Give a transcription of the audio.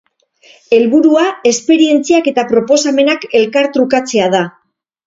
Helburua esperientziak eta proposamenak elkartrukatzea da.